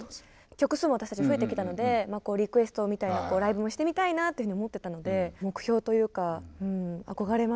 曲数も私たち増えてきたのでリクエストみたいなライブもしてみたいなって思ってたので目標というか憧れますね。